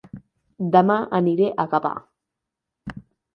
Dema aniré a Gavà